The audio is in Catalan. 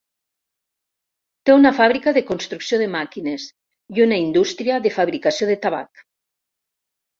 Té una fàbrica de construcció de màquines i una indústria de fabricació de tabac.